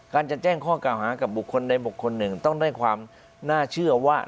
การจะแจ้งข้อกล่าวหากับบุคคลใดบุคคลหนึ่งต้องได้ความน่าเชื่อว่า